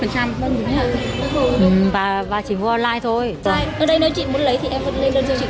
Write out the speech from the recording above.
ở đây nếu chị muốn lấy thì em vẫn lên đơn cho chị